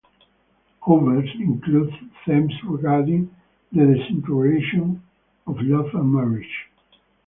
"Overs" includes themes regarding the disintegration of love and marriage.